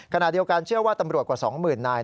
ขณะเดียวกันเชื่อว่าตำรวจกว่า๒๐๐๐๐นาย